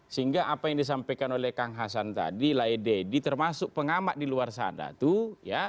sehingga apa yang disampaikan oleh kang hasan tadi lae dedy termasuk pengamat di luar sana tuh ya